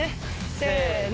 せの。